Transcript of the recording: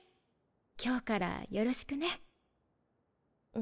今日からよろしくね。